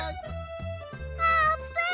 あーぷん！